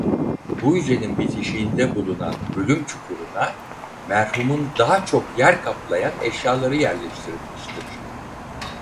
Bu hücrenin bitişiğinde bulunan "ölüm" çukuruna merhumun daha çok yer kaplayan eşyaları yerleştirilmiştir.